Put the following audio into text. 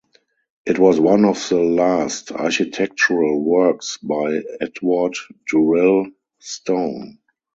It was one of the last architectural works by Edward Durell Stone.